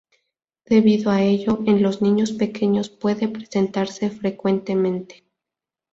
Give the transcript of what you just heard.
Debido a ello, en los niños pequeños puede presentarse frecuentemente.